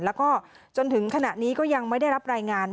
แล้วก็จนถึงขณะนี้ก็ยังไม่ได้รับรายงาน